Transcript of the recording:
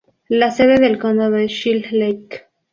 La sede del condado es Shell Lake.